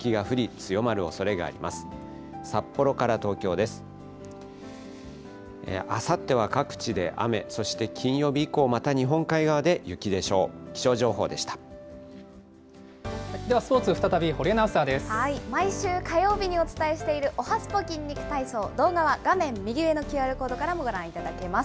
ではスポーツ、毎週火曜日にお伝えしているおはＳＰＯ筋肉体操、動画は画面右上のＱＲコードからもご覧いただけます。